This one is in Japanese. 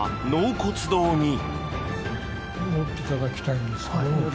こちら持っていただきたいのですけど。